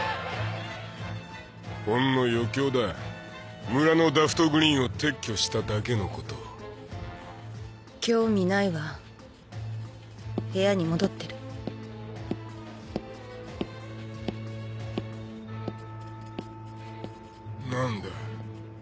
ほんの余興だ村のダフトグリーンを撤去しただけのこと興味ないわ部屋に戻ってるなんだ